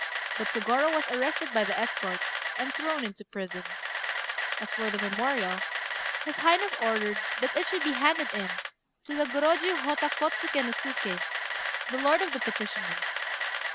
But Sôgorô was arrested by the escort, and thrown into prison. As for the memorial, his Highness ordered that it should be handed in to the Gorôjiu Hotta Kôtsuké no Suké, the lord of the petitioners.